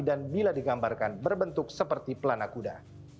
dan bila digambarkan berbentuk seperti pelana kuda